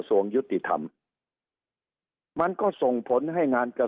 สุดท้ายก็ต้านไม่อยู่